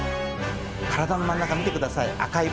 体の真ん中見て下さい。